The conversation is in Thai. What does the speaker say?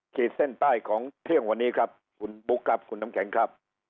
ขีดเส้นใต้ของเที่ยงวันนี้ครับคุณบุ๊คครับคุณน้ำแข็งครับ